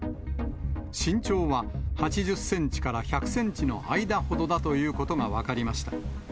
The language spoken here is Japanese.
身長は８０センチから１００センチの間ほどだということが分かりました。